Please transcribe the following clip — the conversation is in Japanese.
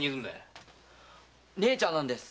俺の姉ちゃんなんです。